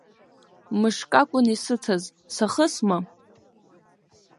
Мышкы акәын исыҭаз, сахысма?